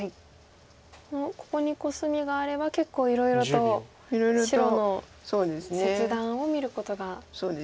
ここにコスミがあれば結構いろいろと白の切断を見ることが。